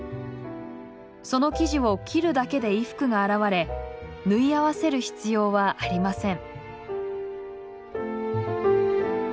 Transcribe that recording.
その生地を切るだけで衣服が現れ縫い合わせる必要はありません。